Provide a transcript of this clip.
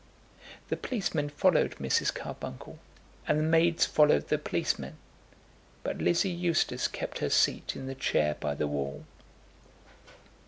The policemen followed Mrs. Carbuncle, and the maids followed the policemen; but Lizzie Eustace kept her seat in the chair by the wall.